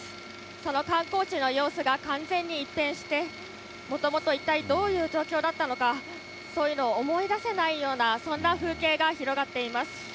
その観光地の様子が完全に一変して、もともと一体どういう状況だったのか、そういうのを思い出せないような、そんな風景が広がっています。